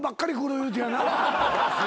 言うてやな。